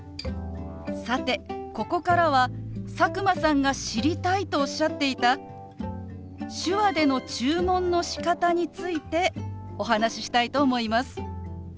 さてここからは佐久間さんが知りたいとおっしゃっていた手話での注文のしかたについてお話ししたいと思います。